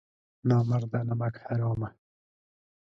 نامرده نمک حرامه!